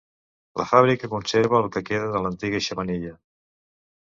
La fàbrica conserva el que queda de l'antiga xemeneia.